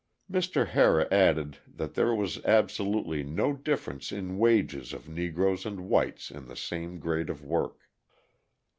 Mr. Harrah added that there was absolutely no difference in wages of Negroes and whites in the same grade of work.